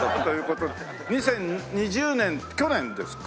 ２０２０年去年ですか？